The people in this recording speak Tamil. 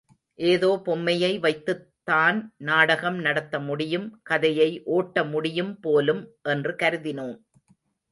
ஏதோ பொம்மையை வைத்துத் தான் நாடகம் நடத்த முடியும் கதையை ஓட்ட முடியும் போலும் என்று கருதினோம்.